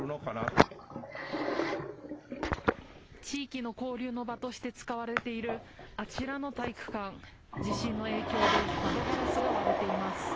地域の交流の場として使われているあちらの体育館、地震の影響で窓ガラスが割れています。